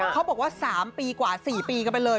เขาบอกว่า๓ปีกว่า๔ปีกันไปเลย